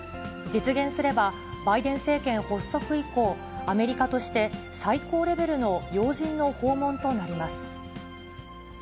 実現すれば、バイデン政権発足以降、アメリカとして最高レベルの要人の訪問となります。